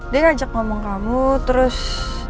dia ngajak ngomong kamu terus